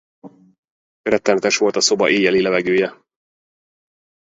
Rettenetes volt a szoba éjjeli levegője.